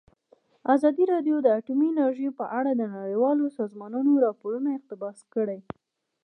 ازادي راډیو د اټومي انرژي په اړه د نړیوالو سازمانونو راپورونه اقتباس کړي.